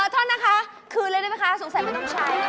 อ่อท่อนนะคะคืนเลยได้ไหมคะสงสัยไม่ต้องใช้